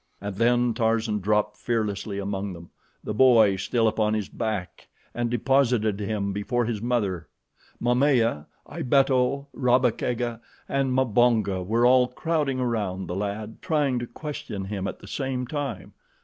And then Tarzan dropped fearlessly among them, the boy still upon his back, and deposited him before his mother. Momaya, Ibeto, Rabba Kega, and Mbonga were all crowding around the lad trying to question him at the same time.